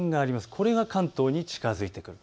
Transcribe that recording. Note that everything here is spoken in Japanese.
これが関東に近づいてくる。